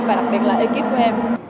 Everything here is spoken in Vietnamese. và đặc biệt là ekip của em